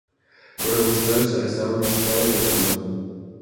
Los revolucionarios arrestaron a su padre y a su hermano.